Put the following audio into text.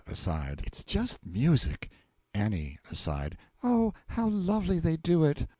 M. (Aside.) It's just music! A. (Aside.) Oh, how lovely they do it!